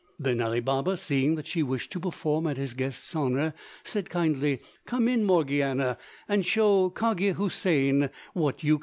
Then Ali Baba, seeing that she wished to perform in his guest's honour, said kindly, "Come in, Morgiana, and show Cogia Houssain what you can do."